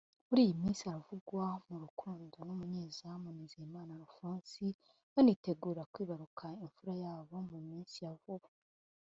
muri iyi minsi aravugwa mu rukundo n’umunyezamu Nizeyimana Alphonse banitegura kwibaruka imfura yabo mu minsi ya vuba